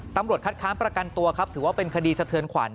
ตำรวจคัดค้ำประกันตัวถือว่าเป็นคดีสเติร์นขวัญ